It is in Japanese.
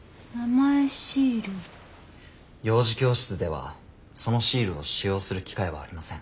幼児教室ではそのシールを使用する機会はありません。